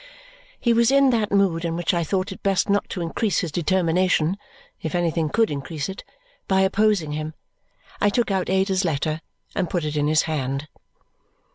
He was in that mood in which I thought it best not to increase his determination (if anything could increase it) by opposing him. I took out Ada's letter and put it in his hand.